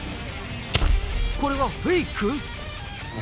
これはフェイク？